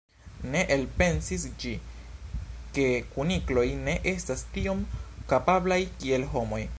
Ne elpensis ĝi, ke kunikloj ne estas tiom kapablaj kiel homoj.